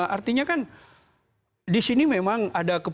artinya kan di sini memang ada